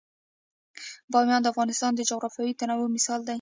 بامیان د افغانستان د جغرافیوي تنوع مثال دی.